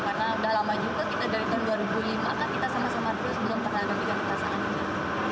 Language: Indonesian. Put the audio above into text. karena udah lama juga kita dari tahun dua ribu lima kan kita sama sama terus belum pasangan ketiga tahun